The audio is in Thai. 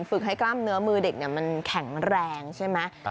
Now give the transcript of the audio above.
ฝึกให้กล้ามเนื้อมือเด็กมันแข็งแรงใช่ไหม